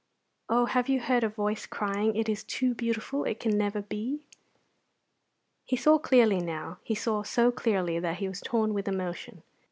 Oh, have you heard a voice crying, 'It is too beautiful; it can never be'?" He saw clearly now; he saw so clearly that he was torn with emotion.